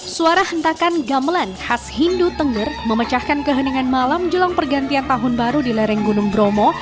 suara hentakan gamelan khas hindu tengger memecahkan keheningan malam jelang pergantian tahun baru di lereng gunung bromo